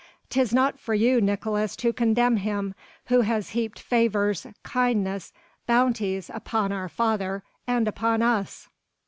"'Tis not for you, Nicolaes, to condemn him, who has heaped favours, kindness, bounties upon our father and upon us.